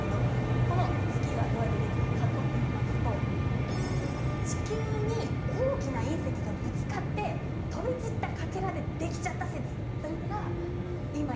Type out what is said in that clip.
この月は、どうやってできたかといいますと地球に大きな隕石がぶつかって飛び散ったかけらで、できてしまったという説があります。